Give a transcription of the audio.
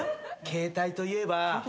携帯といえば？